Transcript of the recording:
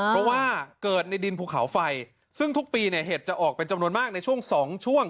เพราะว่าเกิดในดินภูเขาไฟซึ่งทุกปีเนี่ยเห็ดจะออกเป็นจำนวนมากในช่วง๒ช่วง